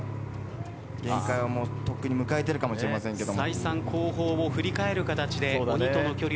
限界は、もうとっくに迎えてるかもしれませんけども。